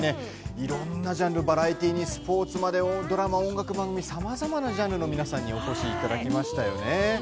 いろんなジャンルバラエティーにスポーツまでドラマ、音楽番組さまざまなジャンルの皆さんにお越しいただきましたね。